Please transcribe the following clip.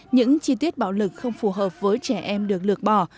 những chi tiết bạo lực không phù hợp với trẻ em được lược bỏ